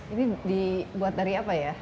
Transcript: ini dibuat dari apa ya